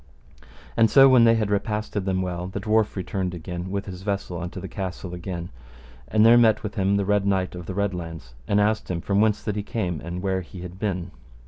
And so when they had repasted them well, the dwarf returned again with his vessel unto the castle again; and there met with him the Red Knight of the Red Launds, and asked him from whence that he came, and where he had been.